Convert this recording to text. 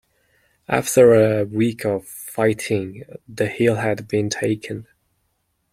After a week of fighting, the hill had been taken.